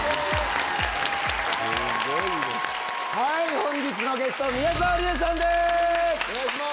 本日のゲスト宮沢りえさんです。